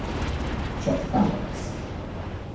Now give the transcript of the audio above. Check balance